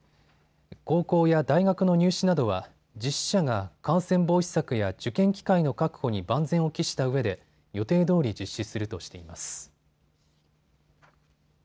高校や大学の入試などは実施者が感染防止策や受験機会の確保に万全を期したうえで予定どおり実施するとしています。